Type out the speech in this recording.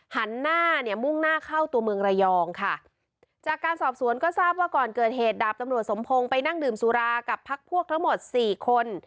หันหน้าเนี่ยมุ่งหน้าเข้าตัวเมืองระยองค่ะจากการสอบสวนก็ทราบว่าก่อนเกิดเหตุดาบตำรวจสมพงศ์ไปนั่งดื่มสุรากับพักพวกทั้งหมดสี่คน